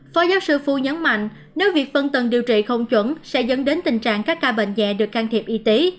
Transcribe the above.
phó giáo sư phu nhấn mạnh nếu việc phân tầng điều trị không chuẩn sẽ dẫn đến tình trạng các ca bệnh dạy được can thiệp y tế